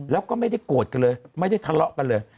แล้วก็ไม่ได้โกรธกันเลยไม่ได้ทะเลาะกันเลย